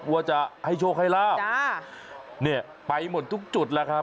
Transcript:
ว่าจะให้โชคให้ลาบเนี่ยไปหมดทุกจุดแล้วครับ